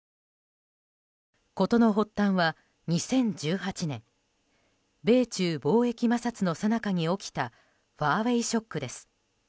事の発端は、２０１８年米中貿易摩擦のさなかに起きたファーウェイショックです。